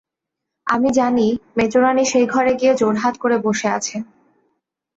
আমি জানি মেজোরানী সেই ঘরে গিয়ে জোড়হাত করে বসে আছেন।